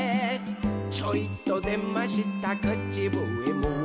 「ちょいとでましたくちぶえも」